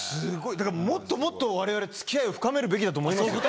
だからもっともっとわれわれ付き合いを深めるべきだと思いますよ。